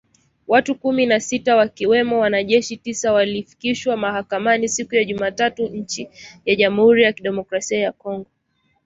Watu kumi na sita wakiwemo wanajeshi tisa walifikishwa mahakamani ,siku ya Jumatatu ,nchini Jamuhuri ya Kidemokrasia ya Kongo